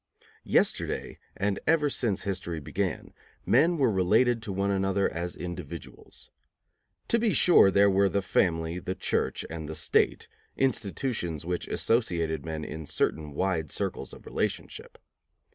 Yesterday, and ever since history began, men were related to one another as individuals. To be sure there were the family, the Church, and the State, institutions which associated men in certain wide circles of relationship.